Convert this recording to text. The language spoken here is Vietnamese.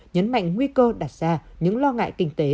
nhấn mạnh nguy cơ đặt ra những lo ngại kinh tế